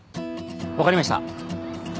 分かりました。